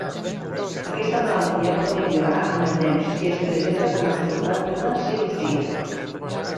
Aquesta malaltia pot millorar amb el temps si es presenta com a resultat d'una cirurgia.